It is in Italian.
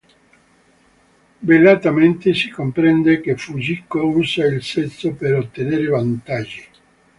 Velatamente si comprende che Fujiko usa il sesso per ottenere vantaggi.